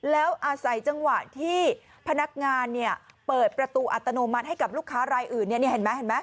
แล้วอาศัยจังหวะที่พนักงานเปิดประตูอัตโนมัติให้กับลูกค้ารายอื่น